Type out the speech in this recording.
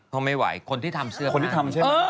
เขาไม่ไหวคนที่ทำเสื้อผ้า